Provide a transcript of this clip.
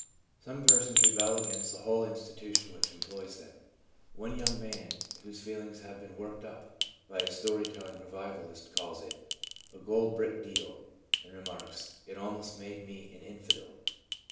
Some persons rebel against the whole institution which employs them. One young man, whose ' feelings had been worked up by a story telling revivalist/ calls it 'a gold brick deal/ and remarks, ' It almost made me an infidel.